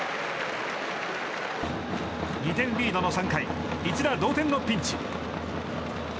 ２点リードの３回一打同点のピンチ。